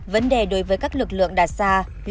vấn đề đối với các lực lượng đạt xa